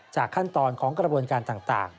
ขั้นตอนของกระบวนการต่าง